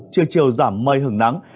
trưa chiều giảm mây hưởng nắng